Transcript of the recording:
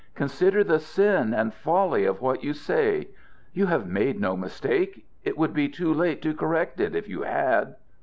Consider the sin and folly of what you say. You have made no mistake. It would be too late to correct it, if you had."